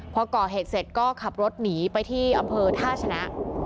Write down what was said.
พอก่อเหตุเสร็จก็ขับรถหนีไปที่อำเภอท่าชนะ